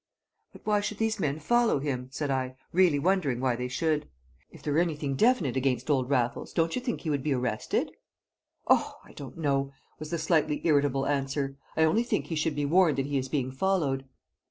"But why should these men follow him?" said I, really wondering why they should. "If there were anything definite against old Raffles, don't you think he would be arrested?" "Oh! I don't know," was the slightly irritable answer. "I only think he should be warned that he is being followed."